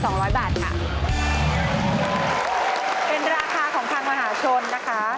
เป็นราคาของทางมหาชนนะคะ